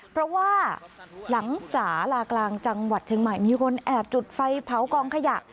เพราะว่าหลังสาลากลางจังหวัดเชียงใหม่มีคนแอบจุดไฟเผากองขยะ